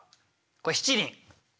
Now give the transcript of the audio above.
これ七輪。